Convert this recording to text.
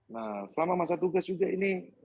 nah selama masa tugas juga ini